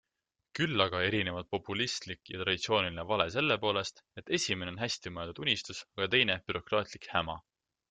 Küll aga erinevad populistlik ja traditsiooniline vale sellepoolest, et esimene on hästi mõeldud unistus, aga teine bürokraatlik häma.